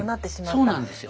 そうなんですよ。